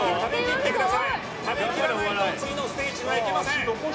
食べきらないと次のステージに行けません。